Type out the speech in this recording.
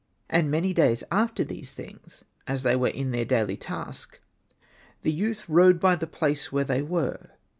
And many days after these things, as they were in their daily task, the youth rode by the place where they were.